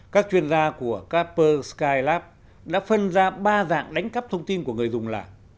các chuyên gia của carper skylab đã phân ra ba dạng đánh cắp thông tin của người dùng là